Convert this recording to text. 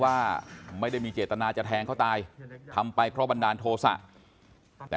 ว่าไม่ได้มีเจตนาจะแทงเขาตายทำไปเพราะบันดาลโทษะแต่